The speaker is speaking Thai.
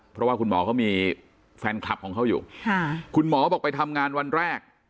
เพราะว่าคุณหมอเขามีแฟนคลับของเขาอยู่คุณหมอบอกไปทำงานวันแรก